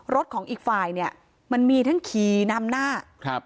รถของอีกฝ่ายเนี่ยมันมีทั้งขี่นำหน้าครับ